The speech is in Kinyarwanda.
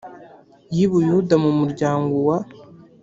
y i buyuda mu muryango wa